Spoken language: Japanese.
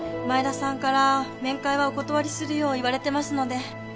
前田さんから面会はお断りするよう言われてますので。